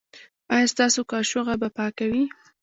ایا ستاسو کاشوغه به پاکه وي؟